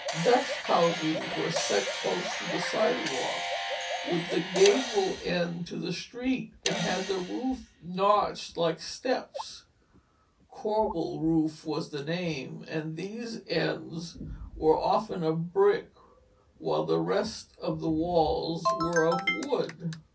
Dutch houses were set close to the sidewalk with the gable end to the street; and had the roof notched like steps, corbel roof was the name; and these ends were often of brick, while the rest of the walls were of wood.